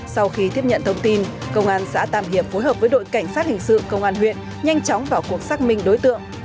sau khi tiếp nhận thông tin công an xã tam hiệp phối hợp với đội cảnh sát hình sự công an huyện nhanh chóng vào cuộc xác minh đối tượng